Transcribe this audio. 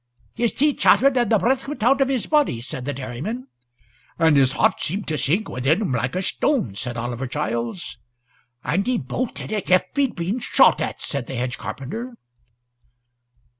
"His teeth chattered, and the breath went out of his body," said the dairyman. "And his heart seemed to sink within him like a stone," said Oliver Giles. "And he bolted as if he'd been shot at," said the hedge carpenter.